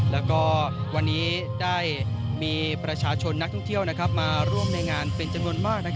แล้วก็วันนี้ได้มีประชาชนนักท่องเที่ยวมาร่วมในงานเป็นจำนวนมาก